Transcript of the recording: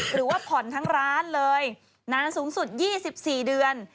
หรือว่าผ่อนทั้งร้านเลยนานสูงสุด๒๔เดือน